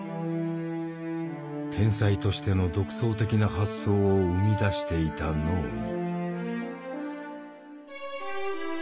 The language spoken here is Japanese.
天才としての独創的な発想を生み出していた脳に」。